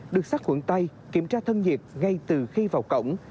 được sát khuẩn tay kiểm tra thân nhiệt ngay từ khi vào cổng